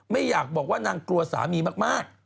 ไม่อยากบอกว่านางกลัวสามีมาก